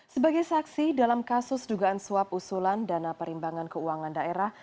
sebagai saksi dalam kasus dugaan suap usulan dana perimbangan keuangan daerah